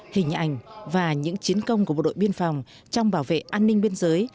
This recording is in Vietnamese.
hình ảnh và những chiến công của bộ đội biên phòng trong bảo vệ an ninh biên giới